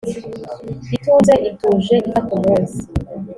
ituze ituje ifata umunsi.